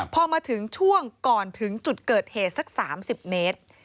พอมาถึงช่วงก่อนถึงจุดเกิดเหตุสัก๓๐เมตร